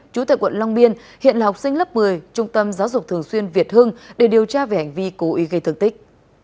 chú tại quận long biên hiện là học sinh lớp một mươi trung tâm giáo dục thường xuyên việt hưng để điều tra về hành vi cố ý gây thương tích